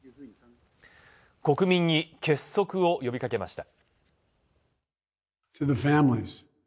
国民に「結束」を呼びかけました